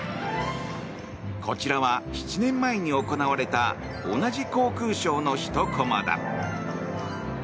こちらは７年前に行われた同じ航空ショーのひとコマだ。